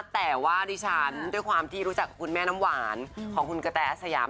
แต่ว่าดิฉันด้วยความที่รู้จักคุณแม่น้ำหวานของคุณกะแตอาสยาม